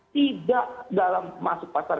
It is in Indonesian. tidak dalam masuk pasar